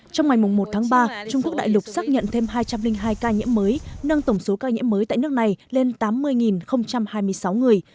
trong ngày một tháng ba trung quốc đại lục xác nhận thêm hai trăm linh hai ca nhiễm mới nâng tổng số ca nhiễm mới tại nước này lên tám mươi hai mươi sáu người